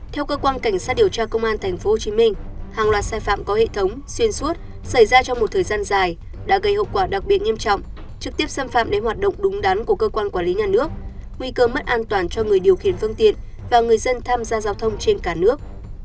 theo cơ quan cảnh sát điều tra công an tp hcm hàng loạt sai phạm có hệ thống xuyên suốt xảy ra trong một thời gian dài đã gây hậu quả đặc biệt nghiêm trọng trực tiếp xâm phạm đến hoạt động đúng đắn của cơ quan quản lý nhà nước nguy cơ mất an toàn cho người điều khiển phương tiện và người dân tham gia giao thông trên cả nước